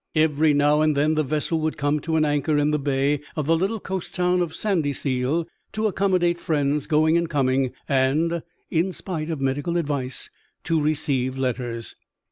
Every now and then, the vessel would come to an anchor in the bay of the little coast town of Sandyseal, to accommodate friends going and coming and (in spite of medical advice) to receive letters.